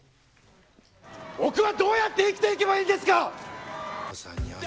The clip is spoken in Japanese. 僕はどうやって生きていけばいいんですか。